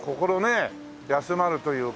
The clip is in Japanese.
休まるというかね。